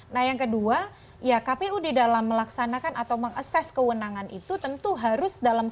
nah yang kedua ya kpu di dalam melaksanakan atau mengases kewenangan itu tentu harus dalam